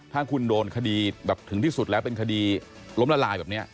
ถ้าคุณโดนคดีแบบถึงที่สุดแล้วเป็นคดีล้มละลายแบบนี้